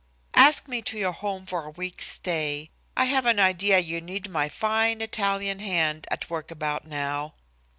"Ask me to your home for a week's stay. I have an idea you need my fine Italian hand at work about now."